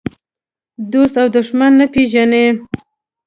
دوست او دښمن نه پېژني.